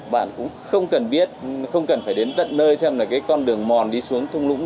bạn cũng không cần biết không cần phải đến tận nơi xem là cái con đường mòn đi xuống thung lũng